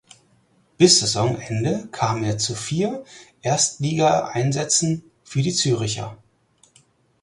Bis Saisonende kam er zu vier Erstligaeinsätzen für die Zürcher.